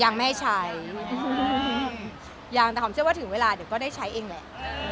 ยังไม่ให้ใช้ยังแต่หอมเชื่อว่าถึงเวลาเดี๋ยวก็ได้ใช้เองแหละ